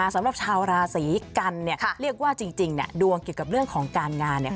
สำหรับชาวราศีกันเนี่ยเรียกว่าจริงเนี่ยดวงเกี่ยวกับเรื่องของการงานเนี่ย